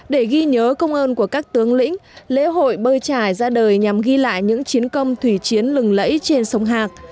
để ghi nhớ công ơn của các tướng lĩnh lễ hội bơi trải ra đời nhằm ghi lại những chiến công thủy chiến lừng lẫy trên sông hạc